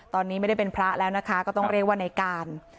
ตอนนี้ไม่ได้เป็นพระแล้วนะคะก็ต้องเรียกว่าในการ